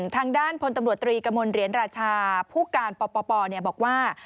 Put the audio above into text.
ทางด้านพลตำรวจตรีกระมวลเหรียญราชาผู้การปปบอกว่า